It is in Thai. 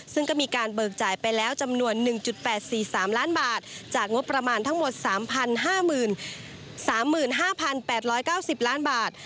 ซึ่งก็มีการเบิกจ่ายไปแล้วจำนวน๑๘๔๓ล้านบาทจากงบประมาณทั้งหมด๓๕๓๕๘๙๐ล้านบาท